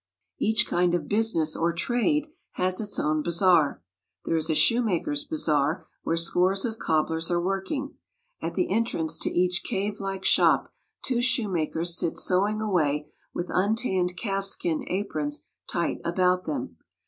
Each kind of business, or trade, has its own bazaar. There is a shoemaker's bazaar where scores of cobblers are working. At the entrance to each cavelike shop two shoemakers sit sewing away with untanned calfskin aprons tight about them.